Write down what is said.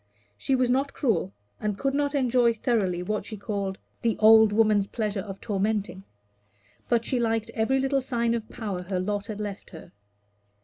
She was not cruel, and could not enjoy thoroughly what she called the old woman's pleasure of tormenting; but she liked every little sign of power her lot had left her.